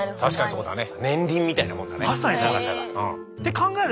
そうだね。